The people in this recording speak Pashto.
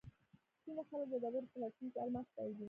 ځینې خلک د ډبرو په لټون کې الماس بایلي.